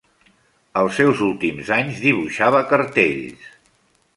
Als seus últims anys dibuixava cartells.